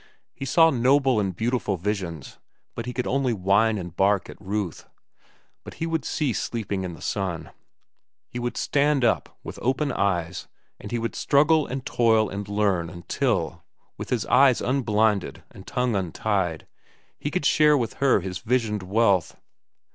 He saw noble and beautiful visions, but he could only whine and bark at Ruth. But he would cease sleeping in the sun. He would stand up, with open eyes, and he would struggle and toil and learn until, with eyes unblinded and tongue untied, he could share with her his visioned wealth.